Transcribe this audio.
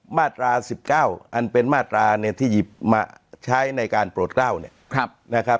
มาตรา๑๙เป็นมาตราที่ยิบมาใช้ในการโปรดเกล้า